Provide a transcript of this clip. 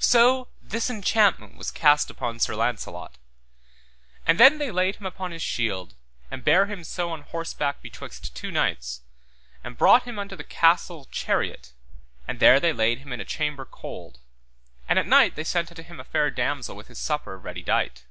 So this enchantment was cast upon Sir Launcelot, and then they laid him upon his shield, and bare him so on horseback betwixt two knights, and brought him unto the castle Chariot, and there they laid him in a chamber cold, and at night they sent unto him a fair damosel with his supper ready dight.